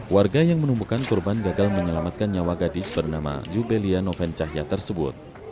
warga yang menumbukan korban gagal menyelamatkan nyawa gadis bernama jubelia novencahya tersebut